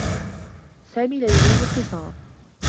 سامي لا يريد الخصام.